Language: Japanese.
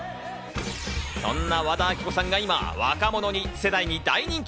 そんな和田アキ子さんが今、若者世代に大人気。